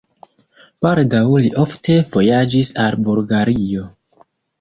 Baldaŭ li ofte vojaĝis al Bulgario.